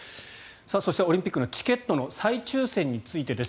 そしてオリンピックのチケットの再抽選についてです。